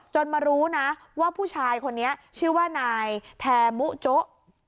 มารู้นะว่าผู้ชายคนนี้ชื่อว่านายแทมุโจ๊ะ